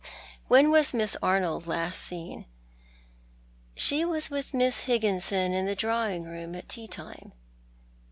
" When was Miss Arnold last seen ?"" She was with Miss Higginson in the drawing room at tea time."